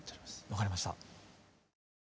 分かりました。